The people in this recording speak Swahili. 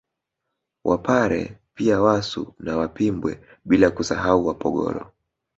Wapare pia Wasu na Wapimbwe bila kusahau Wapogolo